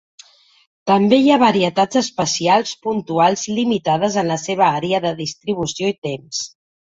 També hi ha varietats especials puntuals limitades en la seva àrea de distribució i temps.